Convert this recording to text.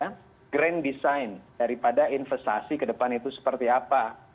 nah itu juga menjadi perdoman daripada investasi ke depan itu seperti apa